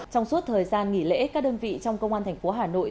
trong suốt thời gian nghỉ lễ các đơn vị trong công an thành phố hà nội